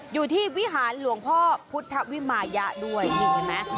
อยู่ที่วิหารหลวงพ่อพุทธวิมายะด้วยนี่เห็นไหม